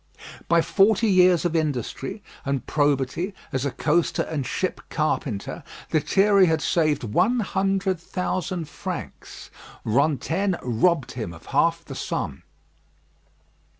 By forty years of industry and probity as a coaster and ship carpenter, Lethierry had saved one hundred thousand francs. Rantaine robbed him of half the sum.